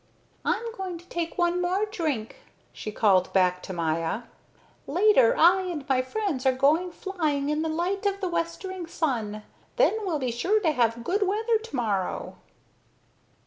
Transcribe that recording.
"I'm going to take one more drink," she called back to Maya. "Later I and my friends are going flying in the light of the westering sun. Then we'll be sure to have good weather to morrow."